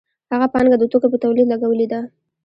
هغه پانګه د توکو په تولید لګولې ده